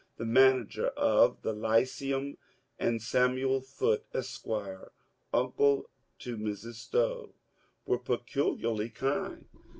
the manager of the Lyceum, and Samuel Foote, Esq., uncle to Mrs. Stowe, were peculiarly kind.